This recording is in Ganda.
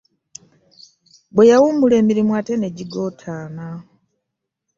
Bwe yawummula emirimu ate ne gigootaana.